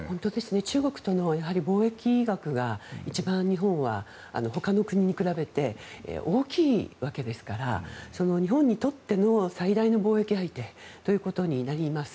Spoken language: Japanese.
中国との貿易額が一番、日本はほかの国に比べて大きいわけですから日本にとっての最大の貿易相手ということになります。